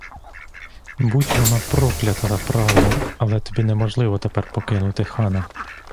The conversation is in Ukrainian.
Будь вона проклята та правда, але тобі неможливо тепер покинути хана!